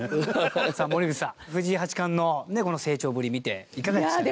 柴田：さあ、森口さん藤井八冠の、この成長ぶり見ていかがでしたかね？